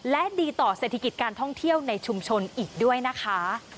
และดีต่อเศรษฐกิจการท่องเที่ยวในชุมชนอีกด้วยนะคะ